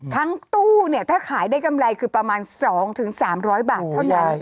ทั้งตู้เนี่ยถ้าขายได้กำไรคือประมาณ๒๓๐๐บาทเท่านั้น